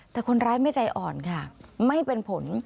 แต่คนร้ายไม่ใจอ่อนค่ะไม่เป็นผล